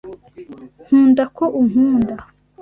Nkunda ko unkunda.